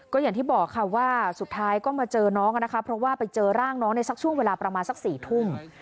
ก็อย่างที่บอกค่ะว่าสุดท้ายก็มาเจอน้องนะคะเพราะว่าไปเจอร่างน้องในสักช่วงเวลาประมาณสัก๔ทุ่ม